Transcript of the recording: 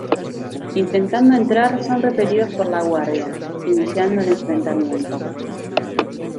Intentando entrar son repelidos por la guardia, iniciando el enfrentamiento.